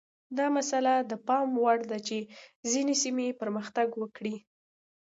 دا مسئله د پام وړ ده چې ځینې سیمې پرمختګ وکړي.